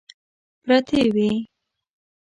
پرتې وې.